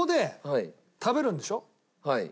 はい。